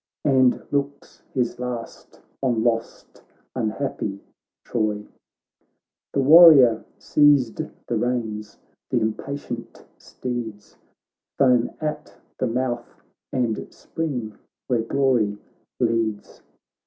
And looks his last on lost unhappy Troy. The warrior seized the reins, the im patient steeds Foam at the mouth and spring where glory leads.